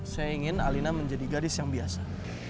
saya ingin alina menjadi gadis yang biasa